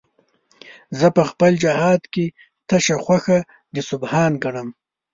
زه په خپل جهاد کې تشه خوښه د سبحان ګټم